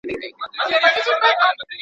انسان یوازې په یو ځل مړینې سره له نړۍ ځي.